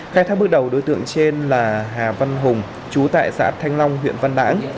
khai thác bước đầu đối tượng trên là hà văn hùng chú tại xã thanh long huyện văn lãng